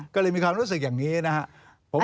ก็เลยมีความรู้สึกอย่างนี้นะครับ